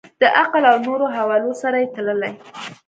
د عقل او نورو حوالو سره یې تللي.